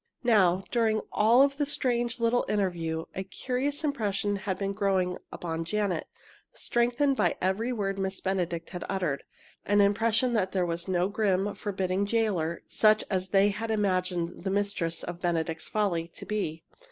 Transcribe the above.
Now, during all the strange little interview, a curious impression had been growing upon Janet, strengthened by every word Miss Benedict had uttered an impression that here was no grim, forbidding jailor, such as they had imagined the mistress of "Benedict's Folly" to be.